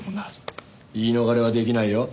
言い逃れはできないよ。